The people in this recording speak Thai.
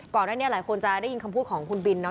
ก่อนหน้านี้หลายคนจะได้ยินคำพูดของคุณบินเนอ